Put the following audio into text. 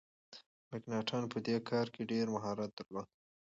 مکناټن په دې کار کي ډیر مهارت درلود.